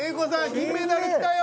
金メダルきたよ！